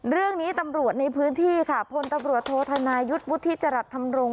เรื่องนี้ตำรวจในพื้นที่ค่ะพลตำรวจโทษธนายุทธ์วุฒิจรัสธรรมรงค